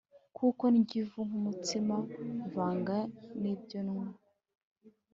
Kuko ndya ivu nk’ umutsima vanga n’ ibyo nywa